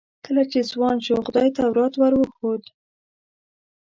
کله چې ځوان شو خدای تورات ور وښود.